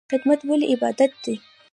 خدمت ولې عبادت دی؟